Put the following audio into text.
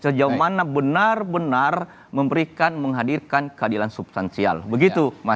sejauh mana benar benar memberikan menghadirkan keadilan substansial begitu